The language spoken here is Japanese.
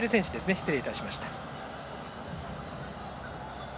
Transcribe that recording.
失礼いたしました。